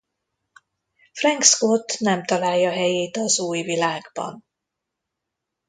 Frank Scott nem találja helyét az új világban.